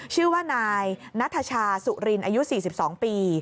ชื่อว่านายนัทชาสุรินอายุ๔๒ปี